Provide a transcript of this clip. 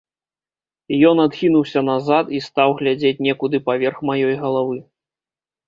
Ён адхінуўся назад і стаў глядзець некуды паверх маёй галавы.